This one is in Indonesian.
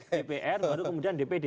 dpr baru kemudian dpd